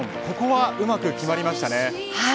ここはうまく決まりました。